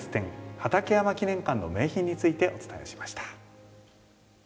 「畠山記念館の名品」についてお伝えしました。